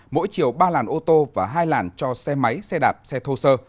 mỗi chiều ba làn ô tô và hai làn cho xe máy xe đạp xe thô sơ